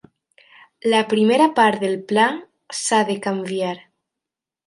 La primera part del pla s'ha de canviar.